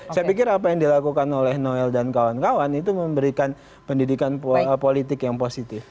saya pikir apa yang dilakukan oleh noel dan kawan kawan itu memberikan pendidikan politik yang positif